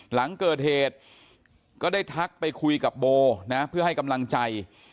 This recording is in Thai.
หลังเกิดเหตุก็ได้ทักไปคุยกับโบนะเพื่อให้กำลังใจ